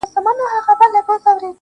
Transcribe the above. o رب دي سپوږمۍ كه چي رڼا دي ووينمه.